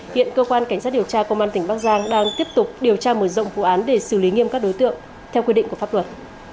hiện cơ quan cảnh sát điều tra công an tỉnh bắc giang đang tiếp tục điều tra mở rộng vụ án để xử lý nghiêm các đối tượng theo quy định của pháp luật